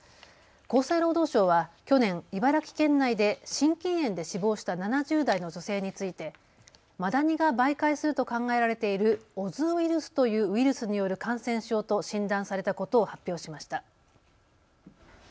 厚生労働省は去年、茨城県内で心筋炎で死亡した７０代の女性についてマダニが媒介すると考えられているオズウイルスというウイルスによる感染症と診断されたことを発表しました。